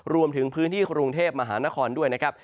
รวมถึงพื้นที่กรุงเทพมหานครด้วยนะครับ